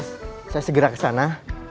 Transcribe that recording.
saya segera kesana